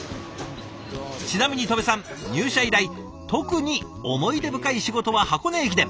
ちなみに戸部さん入社以来特に思い出深い仕事は箱根駅伝。